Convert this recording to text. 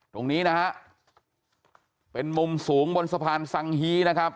ตรงนี้นะฮะเป็นมุมสูงบนสะพานสังฮีนะครับ